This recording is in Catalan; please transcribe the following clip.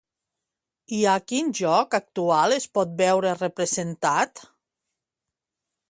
I a quin joc actual es pot veure representat?